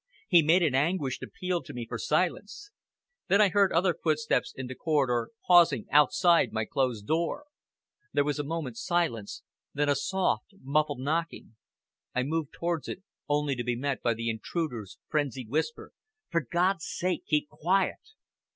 He made an anguished appeal to me for silence. Then I heard other footsteps in the corridor pausing outside my closed door. There was a moment's silence, then a soft muffled knocking. I moved towards it, only to be met by the intruder's frenzied whisper "For God's sake keep quiet!"